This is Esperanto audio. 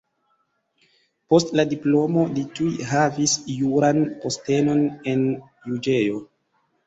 Post la diplomo li tuj havis juran postenon en juĝejo.